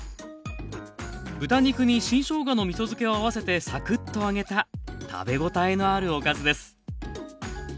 豚肉に新しょうがのみそ漬けを合わせてサクッと揚げた食べごたえのあるおかずです。